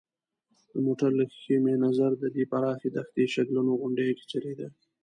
د موټر له ښېښې مې نظر د دې پراخې دښتې شګلنو غونډیو کې څرېده.